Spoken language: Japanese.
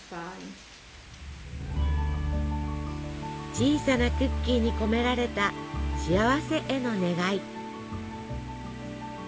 小さなクッキーに込められた幸せへの願い。